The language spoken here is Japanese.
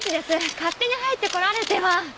勝手に入って来られては。